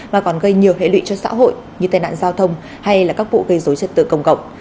mà còn gây nhiều hệ lụy cho xã hội như tai nạn giao thông hay các vụ gây dối trật tự công cộng